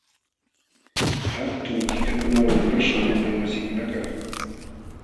Hatun tikakunawan lulaśhqam unay wasikunakaq.